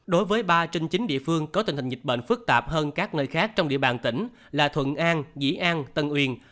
đối với ba trên chín địa phương có tình hình dịch bệnh phức tạp hơn các nơi khác trong địa bàn tỉnh là thuận an dĩ an tân uyên